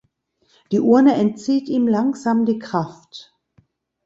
Die Urne entzieht ihm langsam die Kraft.